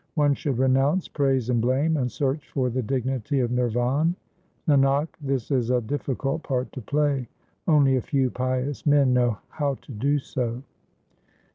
One should renounce praise and blame and search for the dignity of Nirvan : Nanak, this is a difficult part to play ; only a few pious men know how to do so.